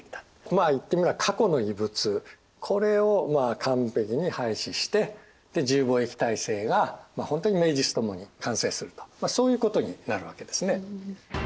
まあ言ってみれば過去の遺物これを完璧に廃止して自由貿易体制が本当に名実ともに完成するとそういうことになるわけですね。